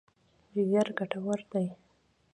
جګر ګټور دی.